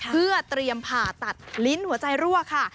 เพื่อเตรียมผ่าตัดลิ้นหัวใจรั่วค่ะ